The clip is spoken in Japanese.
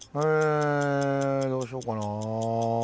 どうしようかな。